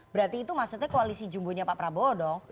berarti itu maksudnya koalisi jumbo nya pak prabowo dong